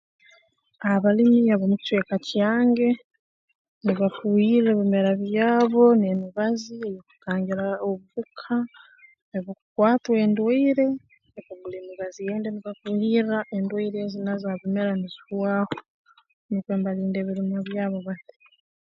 Abalimi ab'omu kicweka kyange nibafuuhirra ebimera byabo n'emibazi eyeekutangira obuhuka obu bikukwatwa endwaire nibagura emibazi endi nibafuuhirra endwaire ezi nazo ha bimera nizihwaho nukwo mbalinda ebirimwa byabo bati